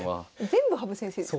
全部羽生先生です。